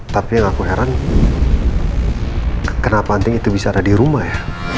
tapi yang aku heran kenapa anting itu bisa ada di rumah ya